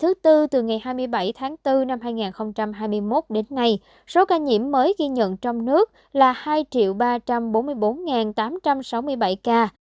thứ tư từ ngày hai mươi bảy tháng bốn năm hai nghìn hai mươi một đến nay số ca nhiễm mới ghi nhận trong nước là hai ba trăm bốn mươi bốn tám trăm sáu mươi bảy ca